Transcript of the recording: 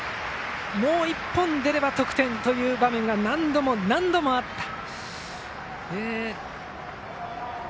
もう１本出れば得点という場面が何度も何度もあった二松学舎大付属。